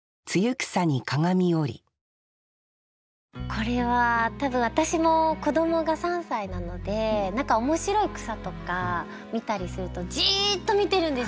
これは多分私も子どもが３歳なので何か面白い草とか見たりするとじっと見てるんですよ。